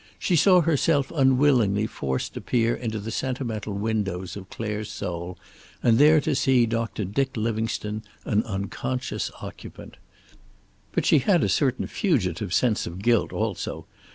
She saw herself unwillingly forced to peer into the sentimental windows of Clare's soul, and there to see Doctor Dick Livingstone, an unconscious occupant. But she had a certain fugitive sense of guilt, also.